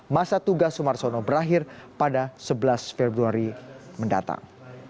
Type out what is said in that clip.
masa tugas sumarsono berakhir pada sebelas februari mendatang